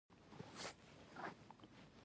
راځه خپل غږ د ژبې خدمت ته ورکړو.